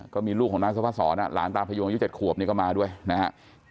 ก็มีลูกของนางนพัฒน์ศรหลานตาพยุงอายุ๗ขวบก็มาด้วยนะฮะ